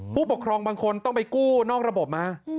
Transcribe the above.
ผู้ปกครองบางคนต้องไปกู้นอกระบบมา